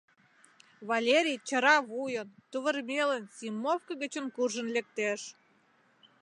Валерий чара вуйын, тувырмелын зимовко гычын куржын лектеш.